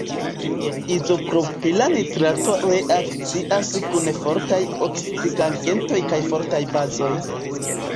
Izopropila nitrato reakcias kun fortaj oksidigagentoj kaj fortaj bazoj.